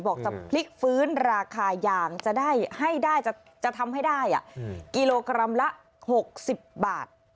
บอกจะพลิกฟื้นราคายางจะได้จะทำให้ได้กิโลกรัมละ๖๐บาท